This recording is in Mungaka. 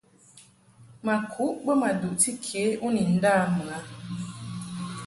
Ma kuʼ bə ma duʼti ke u ni nda mɨ a.